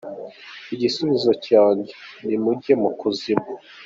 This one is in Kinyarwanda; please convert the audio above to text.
Igisubizo cyanjye ni: Mujye mu kuzimu.